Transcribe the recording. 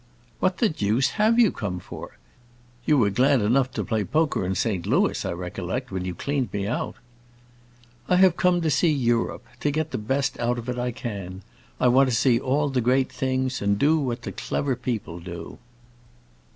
"What the deuce have you come for! You were glad enough to play poker in St. Louis, I recollect, when you cleaned me out." "I have come to see Europe, to get the best out of it I can. I want to see all the great things, and do what the clever people do."